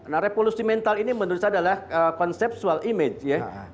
nah revolusi mental ini menurut saya adalah konsepual image ya